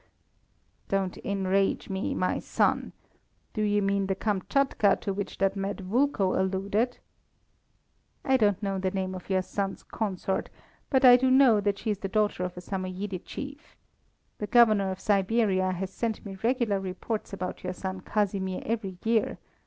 "Don't enrage me, my son! Do you mean the Kamtschatka to which that mad Vulko alluded?" "I don't know the name of your son's consort; but I do know that she is the daughter of a Samoyede chief. The Governor of Siberia has sent me regular reports about your son Casimir every year.